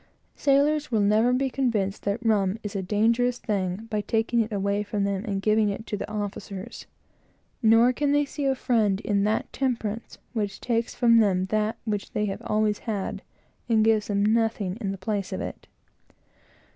Sailors will never be convinced that rum is a dangerous thing, by taking it away from them, and giving it to the officers; nor that, that temperance is their friend, which takes from them what they have always had, and gives them nothing in the place of it.